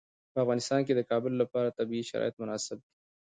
په افغانستان کې د کابل لپاره طبیعي شرایط مناسب دي.